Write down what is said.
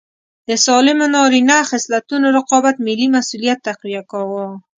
د سالمو نارینه خصلتونو رقابت ملي مسوولیت تقویه کاوه.